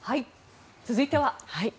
続いては。